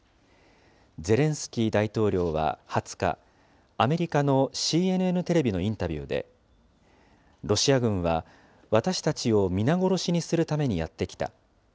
ゼレンスキー大統領は２０日、アメリカのＣＮＮテレビのインタビューで、ロシア軍は私たちを皆殺しにするためにやって来た。